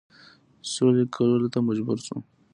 سولي کولو ته مجبور شو.